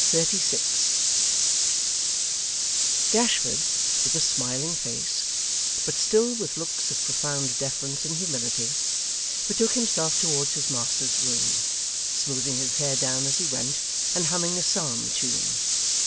Chapter 36 Gashford, with a smiling face, but still with looks of profound deference and humility, betook himself towards his master's room, smoothing his hair down as he went, and humming a psalm tune.